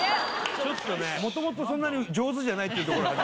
もともとそんなに上手じゃないっていうところがあ